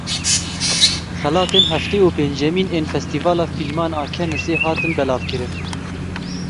Xelatên heftê û pêncemîn ên Festîvala Fîlman a Cannesê hatin belavkirin.